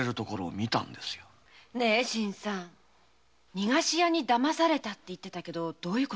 「逃がし屋に騙された」と言ってたけどどういうこと？